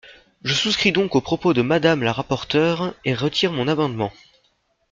Je souscris donc aux propos de Madame la rapporteure, et retire mon amendement.